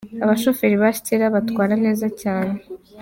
Abashoferi ba stella batwara neza cyane.